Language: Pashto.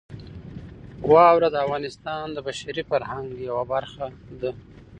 واوره د افغانستان د بشري فرهنګ یوه برخه ده.